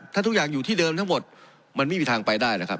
ถ้าทุกอย่างอยู่ที่เดิมทั้งหมดมันไม่มีทางไปได้นะครับ